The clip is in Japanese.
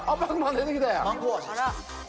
出てきたやん。